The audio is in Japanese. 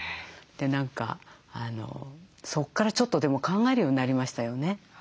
何かそこからちょっとでも考えるようになりましたよね。